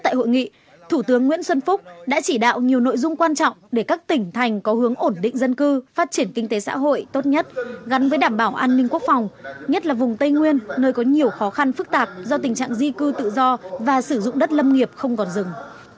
tại hội nghị thủ tướng nguyễn xuân phúc đã chỉ đạo nhiều nội dung quan trọng để các tỉnh thành có hướng ổn định dân cư phát triển kinh tế xã hội tốt nhất gắn với đảm bảo an ninh quốc phòng nhất là vùng tây nguyên nơi có nhiều khó khăn phức tạp do tình trạng di cư tự do và sử dụng đất lâm nghiệp không còn rừng